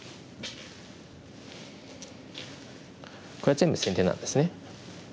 これ全部先手なんですね。